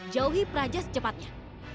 jauhi praja secepatnya